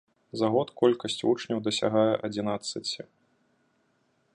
За год колькасць вучняў дасягае адзінаццаці.